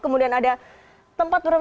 kemudian ada tempat berhenti